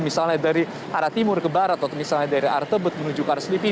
misalnya dari arah timur ke barat atau misalnya dari arah tebet menuju ke arah selipi